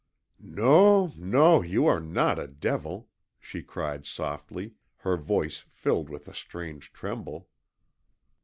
"NON, NON; you are not a devil," she cried softly, her voice filled with a strange tremble.